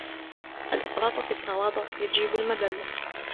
الإفراط في التواضع يجلب المذلة